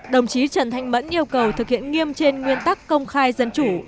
đồng chí trần thanh mẫn yêu cầu thực hiện nghiêm trên nguyên tắc công khai dân chủ